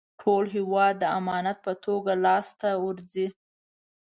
ټول هېواد د امانت په توګه لاسته ورځي.